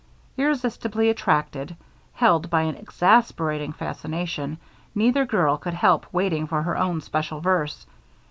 Irresistibly attracted, held by an exasperating fascination, neither girl could help waiting for her own special verse.